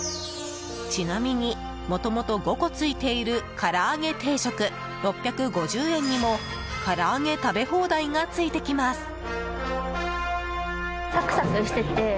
ちなみにもともと５個ついているからーげ定食、６５０円にもから揚げ食べ放題がついてきます。